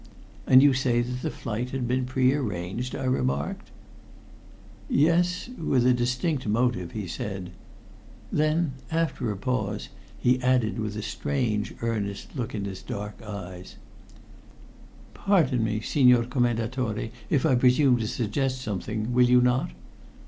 "And you say that the flight had been prearranged?" I remarked. "Yes, with a distinct motive," he said; then, after a pause, he added, with a strange, earnest look in his dark eyes, "Pardon me, Signor Commendatore, if I presume to suggest something, will you not?"